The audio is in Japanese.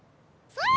それ！